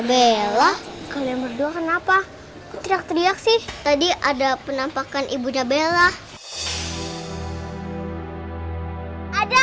bella kalian berdua kenapa teriak teriak sih tadi ada penampakan ibunya bella ada